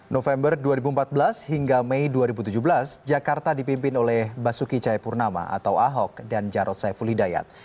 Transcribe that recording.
november dua ribu empat belas hingga mei dua ribu tujuh belas jakarta dipimpin oleh basuki cahayapurnama atau ahok dan jarod saiful hidayat